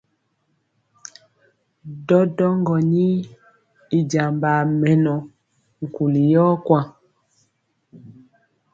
Ɗɔɗɔŋgɔ ni i jambaa mɛnɔ nkuli yɔ kwaŋ.